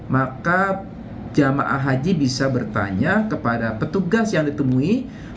maka jemaah haji bisa bertanya kepada petugas yang ditemui